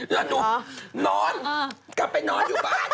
แล้วหนูนอนกลับไปนอนอยู่บ้าน